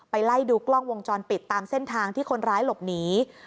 ไล่ดูกล้องวงจรปิดตามเส้นทางที่คนร้ายหลบหนี